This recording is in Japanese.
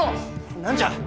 何じゃ。